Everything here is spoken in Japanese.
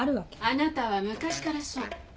・あなたは昔からそう。